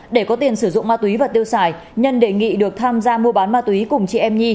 để có tiền sử dụng ma túy và tiêu xài nhân đề nghị được tham gia mua bán ma túy cùng chị em nhi